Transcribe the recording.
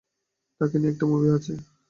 তাকে নিয়ে একটা মুভি আছে।